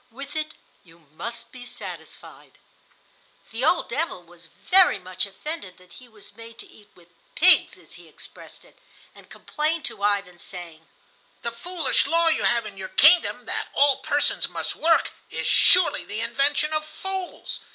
With it you must be satisfied." The old devil was very much offended that he was made to eat with "pigs," as he expressed it, and complained to Ivan, saying: "The foolish law you have in your kingdom, that all persons must work, is surely the invention of fools.